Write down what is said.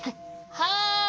はい！